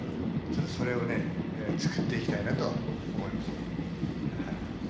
ちょっとそれをね、作っていきたいなと思います。